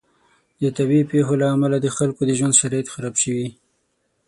د طبعي پیښو له امله د خلکو د ژوند شرایط خراب شوي.